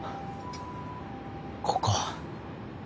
ここ。